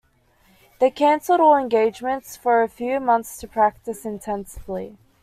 They cancelled all engagements for a few months to practice intensively.